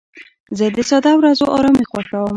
زه د ساده ورځو ارامي خوښوم.